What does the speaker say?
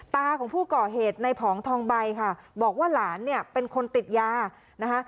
ตาของผู้ก่อเหตุในผองทองใบค่ะบอกว่าหลานเนี่ยเป็นคนติดยานะคะ